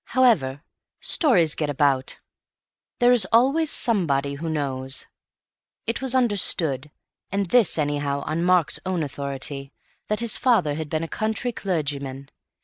However, stories get about. There is always somebody who knows. It was understood—and this, anyhow, on Mark's own authority—that his father had been a country clergyman.